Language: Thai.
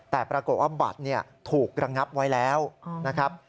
แต่ปรากฏว่าบัตรถูกระงับไว้แล้วนะครับ